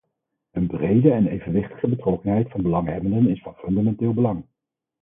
Een brede en evenwichtige betrokkenheid van belanghebbenden is van fundamenteel belang.